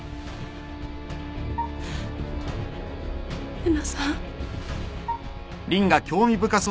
玲奈さん？